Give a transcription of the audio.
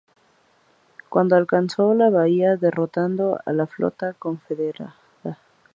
Cuando alcanzaron la bahía, derrotaron a la flota confederada.